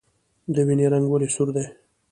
د وینې رنګ ولې سور دی